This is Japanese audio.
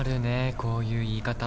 こういう言い方。